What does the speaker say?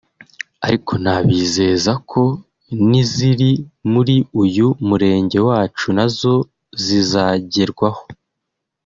ariko nabizeza ko n’iziri muri uyu murenge wacu na zo zizagerwaho